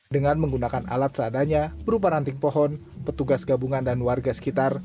dengan menggunakan alat seadanya berupa ranting pohon petugas gabungan dan warga sekitar